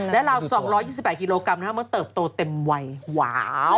แล้วราว๒๒๘กิโลกรัมนะฮะมันเติบโตเต็มไวว้าว